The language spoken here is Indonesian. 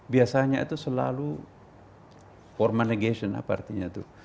biasanya itu selalu formal negation apa artinya itu